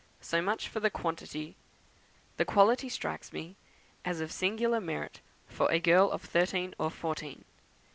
So much for the quantity; the quality strikes me as of singular merit for a girl of thirteen or fourteen.